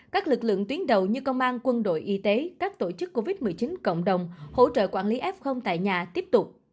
các lực lượng tuyến đầu như công an quân đội y tế các tổ chức covid một mươi chín cộng đồng hỗ trợ quản lý f tại nhà tiếp tục